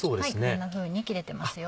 こんなふうに切れてますよ。